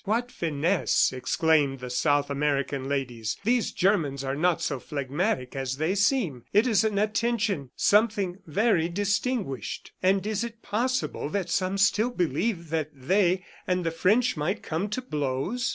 "What finesse!" exclaimed the South American ladies. "These Germans are not so phlegmatic as they seem. It is an attention ... something very distinguished. ... And is it possible that some still believe that they and the French might come to blows?"